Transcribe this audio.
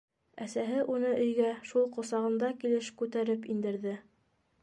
Әсәһе уны өйгә шул ҡосағында килеш күтәреп индерҙе.